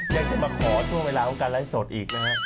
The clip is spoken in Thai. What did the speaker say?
ยังจะมาขอช่วงเวลาของการไลฟ์สดอีกนะฮะ